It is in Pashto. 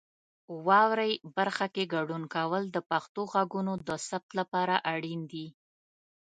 واورئ برخه کې ګډون کول د پښتو غږونو د ثبت لپاره اړین دي.